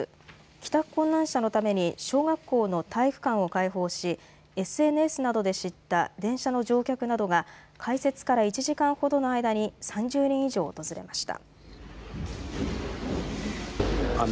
帰宅困難者のために小学校の体育館を開放しＳＮＳなどで知った電車の乗客などが開設から１時間ほどの間に３０人以上訪れました。